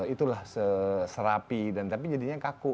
itulah serapi dan tapi jadinya kaku